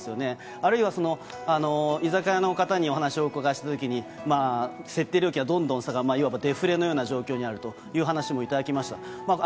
あるいは、居酒屋の方にお話しをお伺いしたときに、設定料金がどんどん下がる、いわばデフレのような状況にあるというようなお話を頂きました。